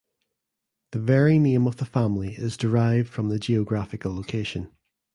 The very name of the family is derived from the geographical location.